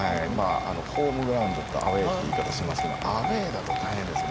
ホームグラウンドとアウェーって言い方しますけどアウェーだと大変ですよ。